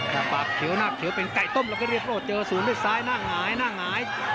แต่ปากเขียวหน้าเขียวเป็นไก่ต้มแล้วก็เรียกโรดเจอศูนย์ด้วยซ้ายหน้าหงายหน้าหงาย